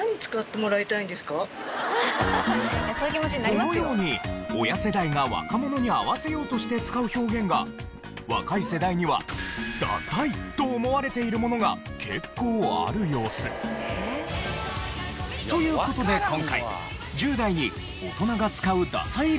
このように親世代が若者に合わせようとして使う表現が若い世代にはダサいと思われているものが結構ある様子。という事で今回１０代に大人が使うダサい